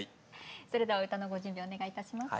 それでは歌のご準備お願いいたします。